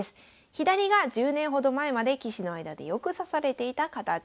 左が１０年ほど前まで棋士の間でよく指されていた形。